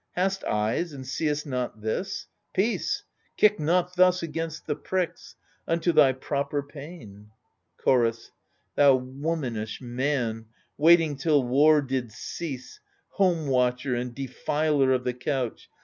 Hast eyes, and seest not this? Peace — kick not thus Against the pricks, unto thy proper pain ! Chorus Thou womanish man, waiting till war did cease, Home watcher and defiler of the couch.